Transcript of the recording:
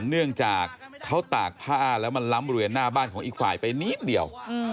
เนื่องจากเขาตากผ้าแล้วมันล้ำบริเวณหน้าบ้านของอีกฝ่ายไปนิดเดียว